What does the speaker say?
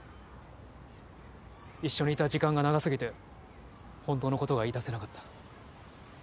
一緒にいた時間が長過ぎて本当のことが言いだせなかった。